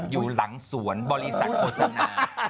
อยู่หลังสวนบริษัทโฆษณา